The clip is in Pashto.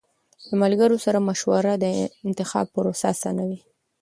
له ملګرو سره مشوره د انتخاب پروسه آسانوي.